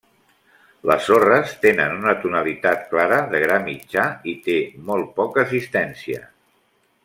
Les sorres tenen una tonalitat clara de gra mitjà i té molt poca assistència.